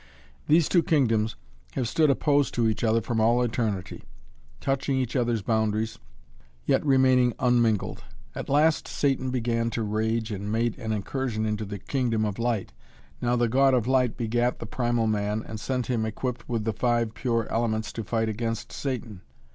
These two kingdoms have stood opposed to each other from all eternity touching each other's boundaries, yet remaining unmingled. At last Satan began to rage and made an incursion into the kingdom of Light. Now, the God of Light begat the primal man and sent him, equipped with the five pure elements, to fight against Satan.